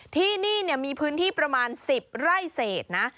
ที่นี่มีพื้นที่ประมาณ๑๐ไร่เศษนะ